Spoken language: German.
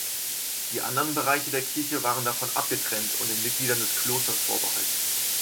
Die anderen Bereiche der Kirche waren davon abgetrennt und den Mitgliedern des Klosters vorbehalten.